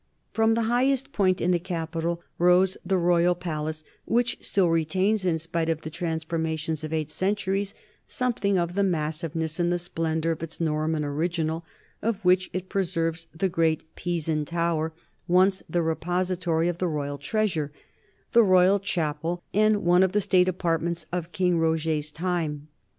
From the highest point in the capital rose the royal palace, which still retains, in spite of the transforma tions of eight centuries, something of the massiveness and the splendor of its Norman original, of which it preserves the great Pisan tower, once the repository of the royal treasure, the royal chapel, and one of the state apartments of King Roger's time.